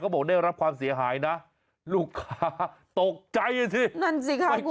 เขาบอกนะเนี่ยรับความเสียหายน่ะลูกค้าตกใจน่ะซินั่นสิครับคุณ